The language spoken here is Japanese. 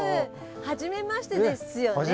はじめましてですよね？